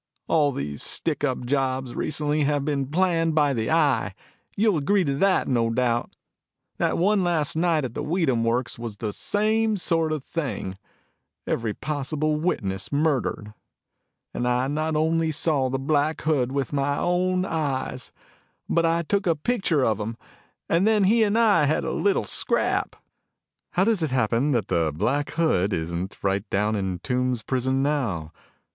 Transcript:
All these stick up jobs recently have been planned by the Eye. You'll agree to that, no doubt. That one last night at the Weedham works was the same sort of a thing every possible witness murdered. And I not only saw the Black Hood with my own eyes, but I took a picture of him. And then he and I had a little scrap." "How does it happen the Black Hood isn't right down in Tombs prison now?"